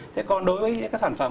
thế còn đối với các sản phẩm